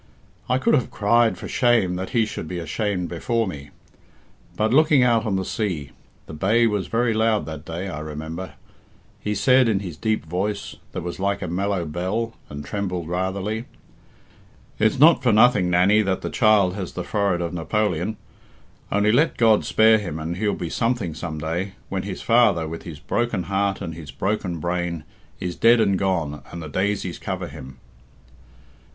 I could have cried for shame that he should be ashamed before me. But looking out on the sea, the bay was very loud that day, I remember he said in his deep voice, that was like a mellow bell, and trembled ratherly, 'It's not for nothing, Nannie, that the child has the forehead of Napoleon. Only let God spare him and he'll be something some day, when his father, with his broken heart and his broken brain, is dead and gone, and the daisies cover him.'"